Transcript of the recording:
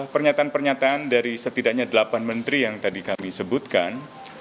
pernyataan pernyataan dari setidaknya delapan menteri yang tadi kami sebutkan